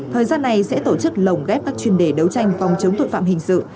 thời gian này sẽ tổ chức lồng ghép các chuyên đề đấu tranh phòng chống tội phạm hình sự